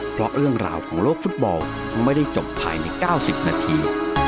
เพราะเรื่องราวของโลกฟุตบอลไม่ได้จบภายใน๙๐นาที